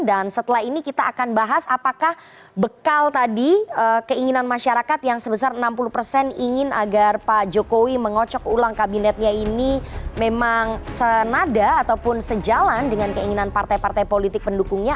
dan setelah ini kita akan bahas apakah bekal tadi keinginan masyarakat yang sebesar enam puluh persen ingin agar pak jokowi mengocok ulang kabinetnya ini memang senada ataupun sejalan dengan keinginan partai partai politik pendukungnya